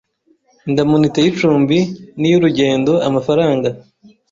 indamunite y icumbi n iy urugendo amafaranga